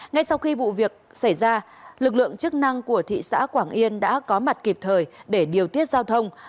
ngay sau khi vụ việc xảy ra lực lượng chức năng của thị xã quảng yên đã có mặt kịp thời để điều tiết giao thông